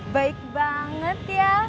baik banget ya